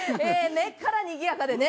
根っからにぎやかでね。